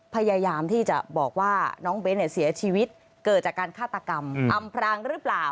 พยายามที่จะบอกว่าน้องเบ้นเสียชีวิตเกิดจากการฆาตกรรมอำพรางหรือเปล่า